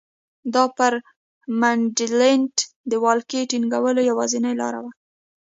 دا پر منډلینډ د ولکې ټینګولو یوازینۍ لاره وه.